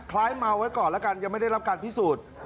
เมาไว้ก่อนแล้วกันยังไม่ได้รับการพิสูจน์